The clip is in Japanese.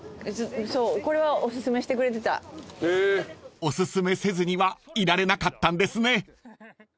［おすすめせずにはいられなかったんですね］